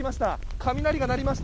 雷が鳴りました。